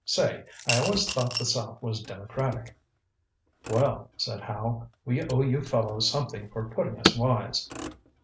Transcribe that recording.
"Say, I always thought the South was democratic." "Well," said Howe, "we owe you fellows something for putting us wise.